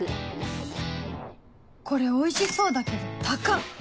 これおいしそうだけど高っ！